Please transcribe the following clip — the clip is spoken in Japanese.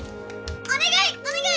お願い！